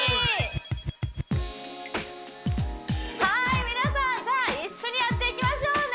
はい皆さんじゃあ一緒にやっていきましょうね